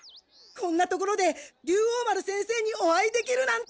こんなところで竜王丸先生にお会いできるなんて！